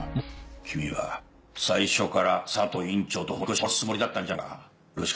君は最初から佐藤院長と堀越を殺すつもりだったんじゃないのか？